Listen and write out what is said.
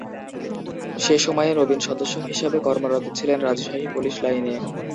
সে সময়ে নবীন সদস্য হিসেবে কর্মরত ছিলেন রাজশাহী পুলিশ লাইনে।